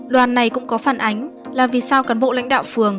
đoàn này cũng có phản ánh là vì sao cán bộ lãnh đạo phường